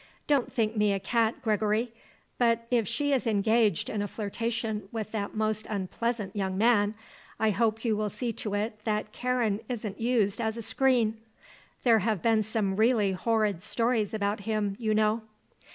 Don't think me a cat, Gregory; but if she is engaged in a flirtation with that most unpleasant young man I hope you will see to it that Karen isn't used as a screen. There have been some really horrid stories about him, you know."